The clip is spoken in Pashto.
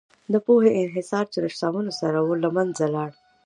د پوهې انحصار چې له شتمنو سره و، له منځه لاړ.